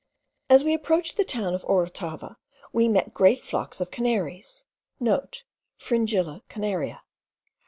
As we approached the town of Orotava, we met great flocks of canaries.* (* Fringilla Canaria.